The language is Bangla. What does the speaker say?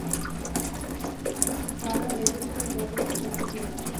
তারা রেডের সাথে যা করছে তা ঠিক নয়।